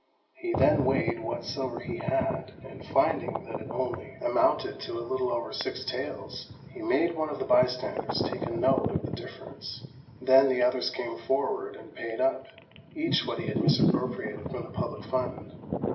He then weighed what silver he had, and finding that it only amounted to a little over six taels, he made one of the bystanders take a note of the difference. Then the others came forward and paid up, each what he had misappropriated from the public fund.